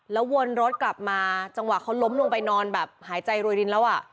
แล้ววนรถกลับมาจังหวะเขาล้มลงไปนอนแบบหายใจรวยรินแล้วอ่ะ